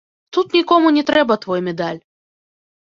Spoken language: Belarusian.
Тут нікому не трэба твой медаль.